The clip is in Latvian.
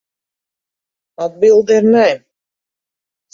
Atbilde ir nē.